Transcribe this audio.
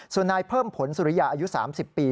ส่วนนายเพิ่มผลสุริยาอายุ๓๐ปี